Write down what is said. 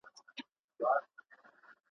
چي دا کلونه راته وايي نن سبا سمېږي.